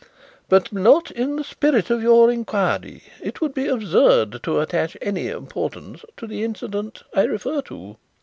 But not in the spirit of your inquiry. It would be absurd to attach any importance to the incident I refer to."